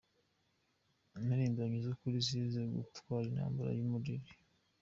Impirimbanyi zukuri zize turwane intambara y’urumuri